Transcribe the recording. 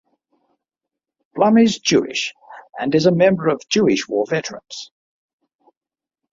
Blum is Jewish, and is a member of Jewish War Veterans.